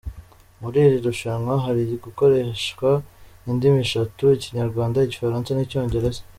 Muri iri rushanwa hari gukoreshwa indimi eshatu; Ikinyarwanda, Igifaransa n’icyongereza.